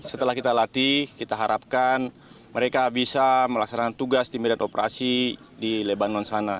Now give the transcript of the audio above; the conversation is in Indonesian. setelah kita latih kita harapkan mereka bisa melaksanakan tugas di medan operasi di lebanon sana